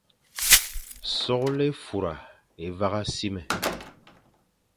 Soghle é fura é vagha simé,